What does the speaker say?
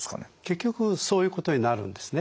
結局そういうことになるんですね。